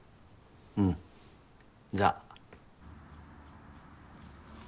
うんじゃあ。